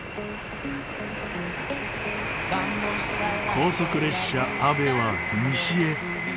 高速列車ＡＶＥは西へ。